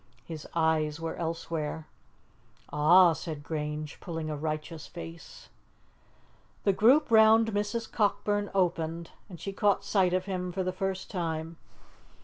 His eyes were elsewhere. "Ah!" said Grange, pulling a righteous face. The group round Mrs. Cockburn opened, and she caught sight of him for the first time.